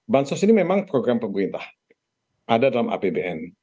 bansos ini memang program pemerintah ada dalam apbn